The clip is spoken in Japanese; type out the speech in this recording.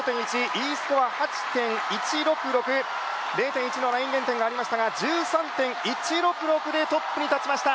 Ｅスコア８．１６６０．１のライン減点がありましたが１３．１６６でトップに立ちました！